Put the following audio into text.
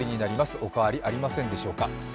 お変わりありませんでしょうか。